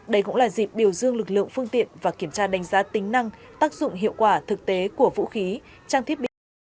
đây cũng là dịp biểu dương lực lượng phương tiện và kiểm tra đánh giá tính năng tác dụng hiệu quả thực tế của vũ khí trang thiết bị